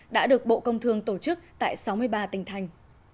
đã được bộ công thương tổ chức tại sáu mươi ba tỉnh thành